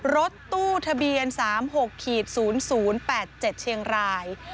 รถตู้ทะเบียน๓๖๐๐๘๗เชียงราย